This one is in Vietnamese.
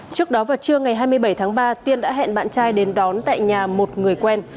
trước đó vào trưa ngày hai mươi bảy tháng ba tiên đã hẹn bạn trai đến đón tại nhà một người quen